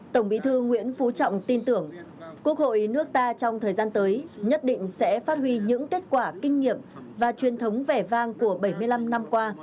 tổng bí thư nguyễn phú trọng tin tưởng quốc hội nước ta trong thời gian tới nhất định sẽ phát huy những kết quả kinh nghiệm và truyền thống vẻ vang của bảy mươi năm năm qua